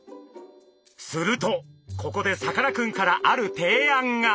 するとここでさかなクンからある提案が。